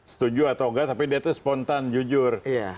setuju atau enggak tapi dia itu spontan jujur